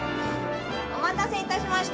お待たせ致しました。